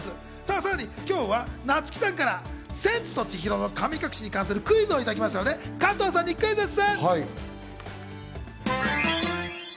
さらに今日は夏木さんから『千と千尋の神隠し』に関するクイズをいただきましたので加藤さんにクイズッス！